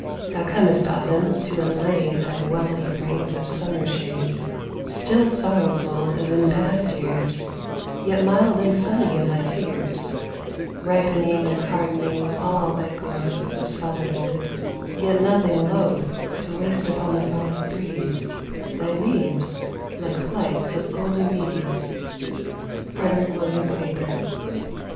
Thou comest, autumn, to unlade Thy wealthy freight of summer shade, Still sorrowful as in past years, Yet mild and sunny in thy tears, Ripening and hardening all thy growth Of solid wood, yet nothing loth To waste upon the frolic breeze Thy leaves, like flights of golden bees. Frederick William Faber.